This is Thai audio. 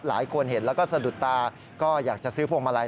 หลายคนเห็นแล้วก็สะดุดตาก็อยากจะซื้อพวงมาลัย